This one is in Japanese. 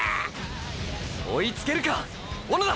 追いつけるか小野田！！